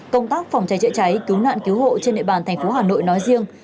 công tác phòng cháy chữa cháy cứu nạn cứu hộ trên địa bàn thành phố hà nội nói riêng